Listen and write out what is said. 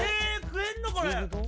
食えんのこれ！